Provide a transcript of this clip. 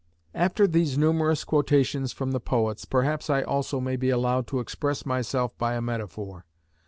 After these numerous quotations from the poets, perhaps I also may be allowed to express myself by a metaphor.